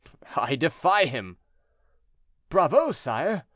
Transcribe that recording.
"I defy him." "Bravo, sire!"